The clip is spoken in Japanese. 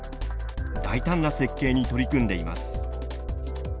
大胆な設計に取り組んでいます。